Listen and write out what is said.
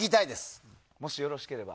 もし、よろしければ。